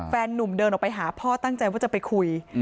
นุ่มเดินออกไปหาพ่อตั้งใจว่าจะไปคุย